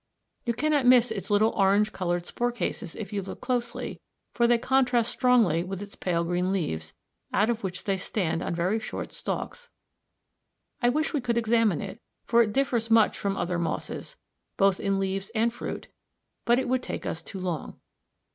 You cannot miss its little orange coloured spore cases if you look closely, for they contrast strongly with its pale green leaves, out of which they stand on very short stalks. I wish we could examine it, for it differs much from other mosses, both in leaves and fruit, but it would take us too long.